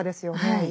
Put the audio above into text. はい。